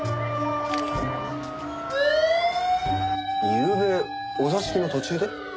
ゆうべお座敷の途中で？